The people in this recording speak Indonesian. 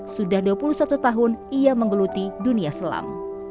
sudah dua puluh satu tahun ia menggeluti dunia selam